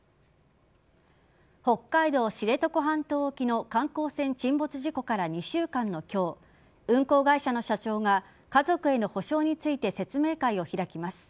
北海道知床半島沖の観光船沈没事故から２週間の今日運航会社の社長が家族への補償について説明会を開きます。